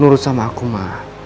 nurut sama aku ma